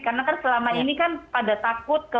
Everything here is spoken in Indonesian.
karena kan selama ini kan pada takut ke